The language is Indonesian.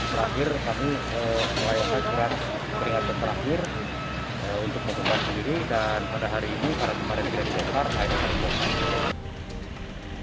terakhir kami melayani peringatan terakhir untuk mempersembahkan diri dan pada hari ini karena kemarin tidak diangkar akhirnya kita membongkar